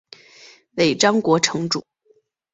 尾张国城主。